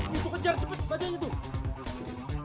itu kejar cepet sebagiannya tuh